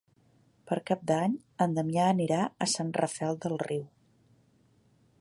Per Cap d'Any en Damià anirà a Sant Rafel del Riu.